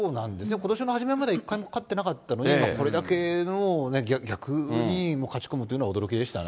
ことしの初めまで１回も勝ってなかったのに、これだけ勝ち込むというのは驚きましたね。